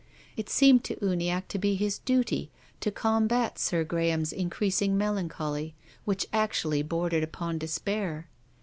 It seemed to Uniacke to be his duty to combat Sir Graham's increasing melancholy, which actually bordered upon despair.